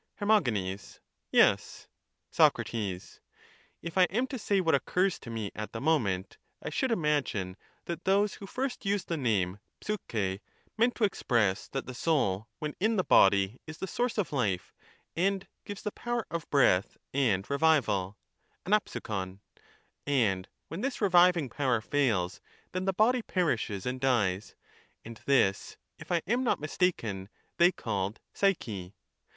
Her. Yes. Soc. If I am to say what occurs to me at the moment, I should imagine that those who first used the name ^^vxt] meant to express that the soul when in the body is the source of life, and gives the power of breath and revival (ava'\\)vxov), and when this reviving power fails then the body perishes and dies, and this, if I am not mistaken, they called psyche.